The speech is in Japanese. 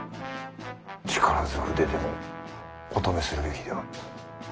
力ずくででもお止めするべきでは？